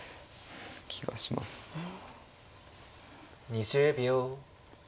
２０秒。